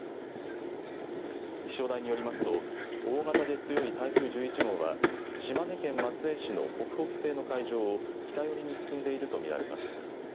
気象台によりますと大型で強い台風１１号は島根県松江市の北北西の海上を北寄りに進んでいると見られます。